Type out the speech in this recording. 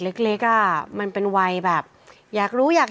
เล็กเล็กอ่ะมันเป็นวัยแบบอยากรู้อยาก